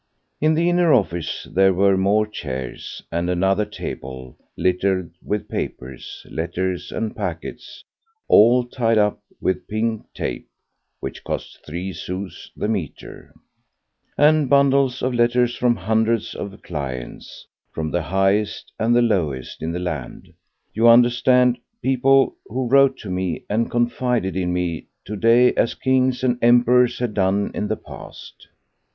In the inner office there were more chairs and another table, littered with papers: letters and packets all tied up with pink tape (which cost three sous the metre), and bundles of letters from hundreds of clients, from the highest and the lowest in the land, you understand, people who wrote to me and confided in me to day as kings and emperors had done in the past.